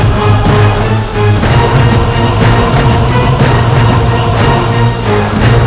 saya lebih suka dengan teman wahasan